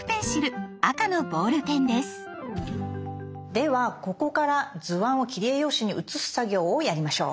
ではここから図案を切り絵用紙に写す作業をやりましょう。